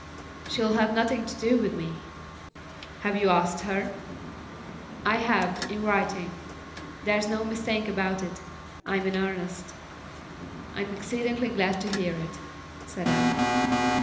"She'll have nothing to do with me." "Have you asked her?" "I have, in writing. There's no mistake about it. I'm in earnest." "I'm exceedingly glad to hear it," said I.